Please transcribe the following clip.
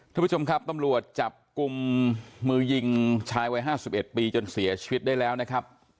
ทุกผู้ชมครับตำรวจจับกลุ่มมือยิงชายวัย๕๑ปีจนเสียชีวิตได้แล้วนะครับ